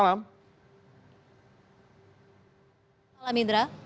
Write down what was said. selamat malam indra